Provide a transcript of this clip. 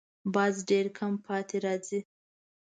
باز ډېر کم پاتې راځي